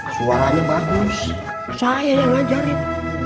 suaranya bagus saya yang ngajarin